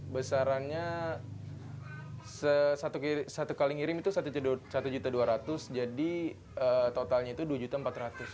besarannya satu kali ngirim itu rp satu dua ratus jadi totalnya itu rp dua empat ratus